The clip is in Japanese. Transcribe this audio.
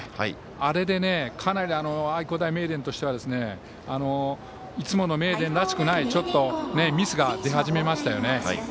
あれでかなり愛工大名電としてはいつもの名電らしくないミスが出始めましたよね。